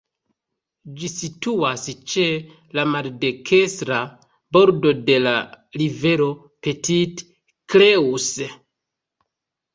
Ĝi situas ĉe la maldekstra bordo de la rivero Petite Creuse.